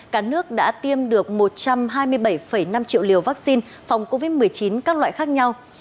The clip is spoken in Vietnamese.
cả nước đã tiêm được một trăm hai mươi bảy năm triệu liều vaccine phòng covid một mươi chín các loại khác nhau